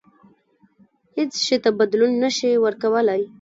هیڅ شي ته هم بدلون نه شي ورکولای.